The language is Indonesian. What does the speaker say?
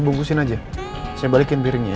bungkusin aja saya balikin piringnya